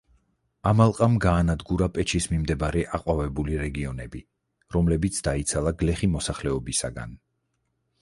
ამ ალყამ გაანადგურა პეჩის მიმდებარე აყვავებული რეგიონები, რომლებიც დაიცალა გლეხი მოსახლეობისაგან.